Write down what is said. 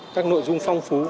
các nội dung phong phú